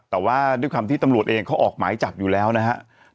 แต่ว่าด้วยความที่ตำรวจเองเขาออกหมายจับอยู่แล้วนะครับ